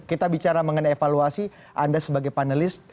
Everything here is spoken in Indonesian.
kita bicara mengenai evaluasi anda sebagai panelis